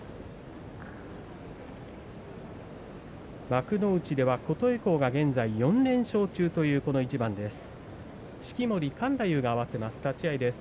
幕内では琴恵光が現在４連勝中というというこの一番です。